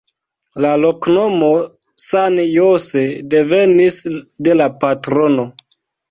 La loknomo San Jose devenis de la patrono.